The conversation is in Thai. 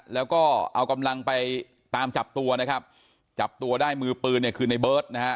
แล้วก็เอากำลังไปตามจับตัวนะครับจับตัวได้มือปืนเนี่ยคือในเบิร์ตนะฮะ